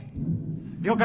了解。